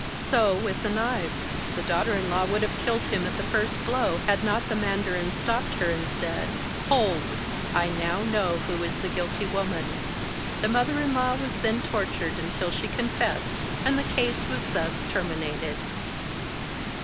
* So with the knives: the daughter in law would have killed him at the first blow, had not the mandarin stopped her, and said, " Hold ! I now know who is the guilty woman." The mother in law was then tortured until she confessed, and the case was thus terminated.